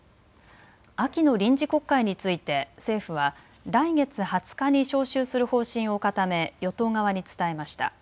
秋の臨時国会について政府は来月２０日に召集する方針を固め与党側に伝えました。